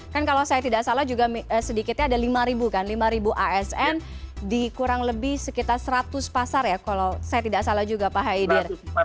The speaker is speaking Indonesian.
kan kalau saya tidak salah juga sedikitnya ada lima ribu kan lima ribu asn di kurang lebih sekitar seratus pasar ya kalau saya tidak salah juga pak haidir